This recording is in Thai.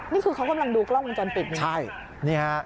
นี่คือเขากำลังดูกล้องวงจรปิด